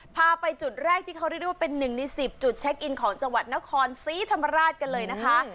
พาไปจุดแรกที่เขาเรียกได้ว่าเป็นหนึ่งใน๑๐จุดเช็คอินของจังหวัดนครศรีธรรมราชกันเลยนะคะ